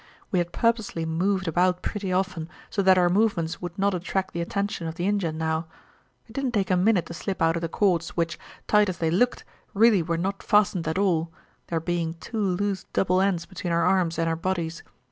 We had purposely moved about pretty often, so that our movements would not attract the attention of the Injun now. It didn't take a minute to slip out of the cords, which, tight as they looked, really were not fastened at all, there being two loose double ends between our arms and our bodies.